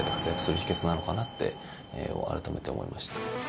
なのかなって改めて思いました。